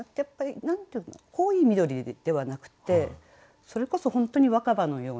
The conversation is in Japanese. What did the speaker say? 濃い緑ではなくてそれこそ本当に若葉のようなね。